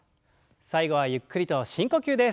最後はゆっくりと深呼吸です。